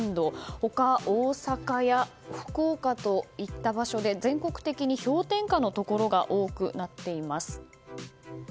他、大阪や福岡といった場所で全国的に氷点下のところが多くなっています。